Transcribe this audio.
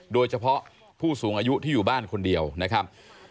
โดยเฉพาะผู้สูงอายุที่อยู่บ้านคนเดียวนะครับ